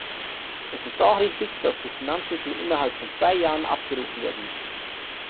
Es ist auch richtig, dass die Finanzmittel innerhalb von zwei Jahren abgerufen werden müssen.